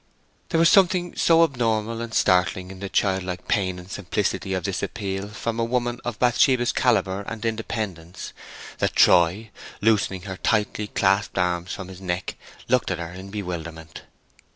_" There was something so abnormal and startling in the childlike pain and simplicity of this appeal from a woman of Bathsheba's calibre and independence, that Troy, loosening her tightly clasped arms from his neck, looked at her in bewilderment.